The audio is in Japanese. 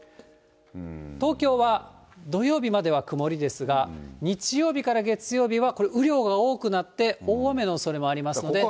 東京は土曜日までは曇りですが、日曜日から月曜日はこれ、雨量が多くなって、大雨のおそれもありますので注意。